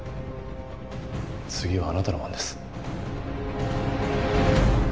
次はあなたの番です。